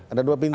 ada dua pintu